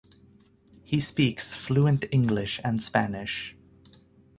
He speaks fluent English and Spanish.